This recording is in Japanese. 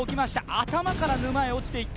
頭から沼へ落ちていった。